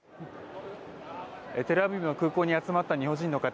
テルアビブの空港に集まった日本人の方